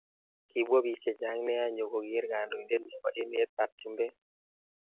Kibwa bik chechang nea nyo koker kandoindet nepo emet ap chumbek